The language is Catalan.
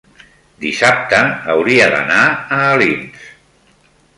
dissabte hauria d'anar a Alins.